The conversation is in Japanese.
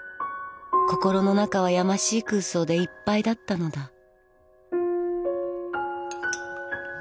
心の中はやましい空想でいっぱいだったのだ